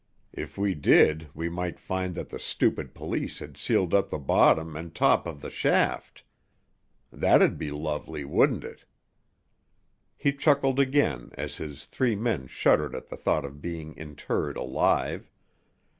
If we did we might find that the stupid police had sealed up the bottom and top of the shaft. That'd be lovely, wouldn't it?" He chuckled again as his three men shuddered at the thought of being interred alive.